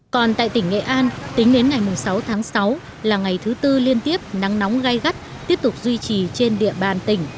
còn tại tỉnh nghệ an tính đến ngày sáu tháng sáu là ngày thứ tư liên tiếp nắng nóng gai gắt tiếp tục duy trì trên địa bàn tỉnh